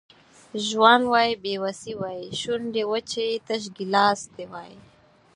ژوند وای بې وسي وای شونډې وچې تش ګیلاس دي وای